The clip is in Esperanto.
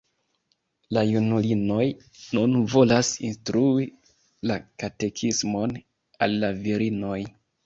La junulinoj nun volas instrui la katekismon al la virinoj.